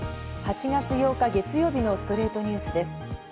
８月８日、月曜日の『ストレイトニュース』です。